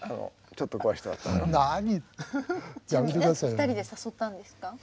２人で誘ったんですか？